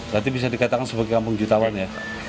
berarti bisa dikatakan sebagai kampung jutawan ya